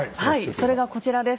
それがこちらです。